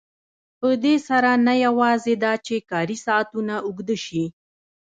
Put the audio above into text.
په دې سره نه یوازې دا چې کاري ساعتونه اوږده شي